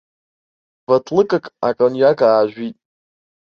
Баҭлыкак акониак аажәит.